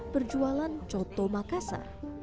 berjualan coto makasa